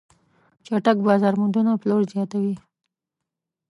چټک بازار موندنه پلور زیاتوي.